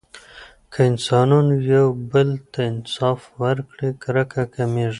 که انسانانو یو بل ته انصاف ورکړي، کرکه کمېږي.